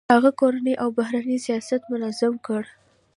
هغه کورنی او بهرنی سیاست منظم کړ.